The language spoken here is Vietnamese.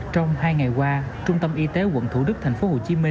trong hai ngày qua trung tâm y tế quận thủ đức tp hcm